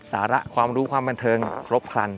สาระความรู้ความบันเทิงครบครัน